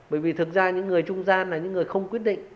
bởi vì thực ra những người trung gian là những người không quyết định